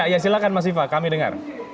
ya silahkan mas viva kami dengar